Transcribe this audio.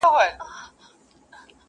• وایې خدای دې کړي خراب چي هرچا وړﺉ..